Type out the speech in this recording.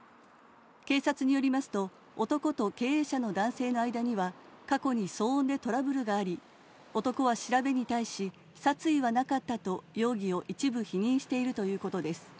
警察によりますと男と経営者の男性の間には過去に騒音でトラブルがあり、男は調べに対し、殺意はなかったと容疑を一部否認しているということです。